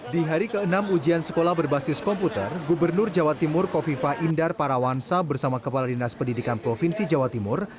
di hari ke enam ujian sekolah berbasis komputer gubernur jawa timur kofifa indar parawansa bersama kepala dinas pendidikan provinsi jawa timur